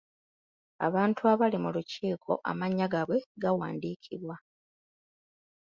Abantu abaali mu lukiiko amannya g'abwe gawandiikibwa.